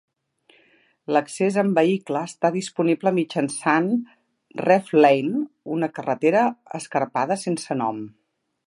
L'accés amb vehicle està disponible mitjançant Rew Lane i una carretera escarpada sense nom.